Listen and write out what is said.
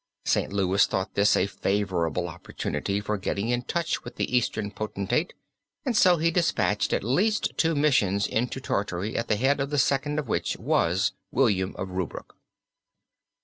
St. Louis thought this a favorable opportunity for getting in touch with the Eastern Potentate and so he dispatched at least two missions into Tartary at the head of the second of which was William of Rubruk.